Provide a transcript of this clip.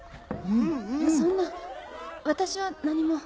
そんな私は何も。